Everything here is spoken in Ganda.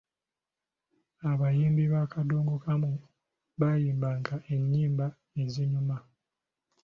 Abayimbi ba kaddongokamu bayimbanga ennyimba ezinyuma.